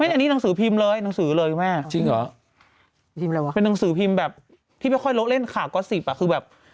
อันนี้หนังสือพิมพ์เลยหนังสือเลยแม่